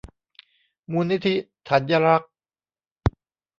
มูลนิธิถันยรักษ์